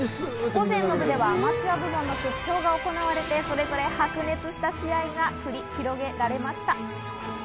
午前の部門ではアマチュアの決勝が行われ、それぞれ白熱した試合が繰り広げられました。